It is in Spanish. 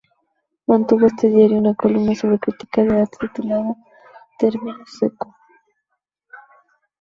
Mantuvo en este diario una columna sobre crítica de arte, titulada "Terminus Seco".